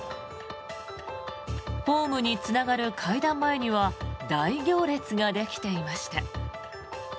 ホームにつながる階段前には大行列ができていました。